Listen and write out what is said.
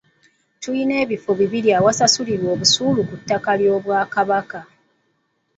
Tulina ebifo bibiri awasasulirwa obusuulu ku ttaka ly'Obwakabaka.